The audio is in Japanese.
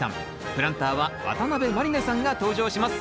プランターは渡辺満里奈さんが登場します。